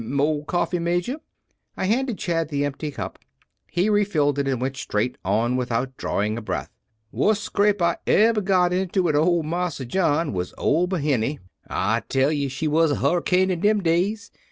"Mo' coffee, Major?" I handed Chad the empty cup. He refilled it, and went straight on without drawing breath. "Wust scrape I eber got into wid old Marsa John was ober Henny. I tell ye she was a harricane in dem days.